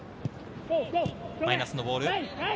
マイナスのボール。